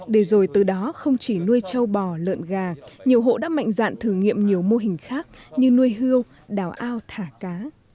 để rồi từ đó không chỉ nuôi châu bò lợn gà nhiều hộ đã mạnh dạn thử nghiệm nhiều mô hình khác như nuôi hươu đào ao thả cá